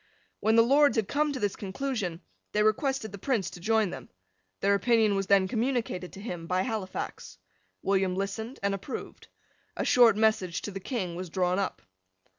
When the Lords had come to this conclusion, they requested the Prince to join them. Their opinion was then communicated to him, by Halifax. William listened and approved. A short message to the King was drawn up.